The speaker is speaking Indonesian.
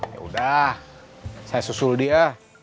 yaudah saya susul dia